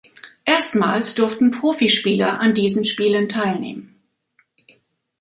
Erstmals durften Profi-Spieler an diesen Spielen teilnehmen.